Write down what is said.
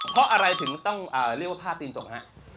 เพราะอะไรถึงต้องเรียกว่าผ้าตีนจกฮะ